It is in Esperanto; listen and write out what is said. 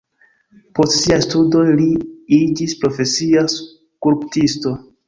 Post siaj studoj li iĝis profesia skulptisto.